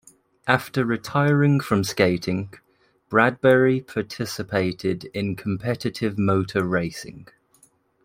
After retiring from skating, Bradbury participated in competitive motor racing.